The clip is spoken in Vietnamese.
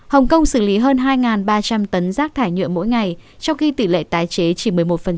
hồng kông xử lý hơn hai ba trăm linh tấn rác thải nhựa mỗi ngày trong khi tỷ lệ tái chế chỉ một mươi một